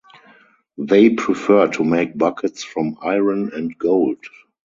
They preferred to make buckets from iron and gold.